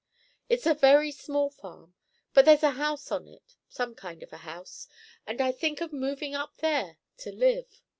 It's a very small farm, but there's a house on it, some kind of a house, and I think of moving up there to live.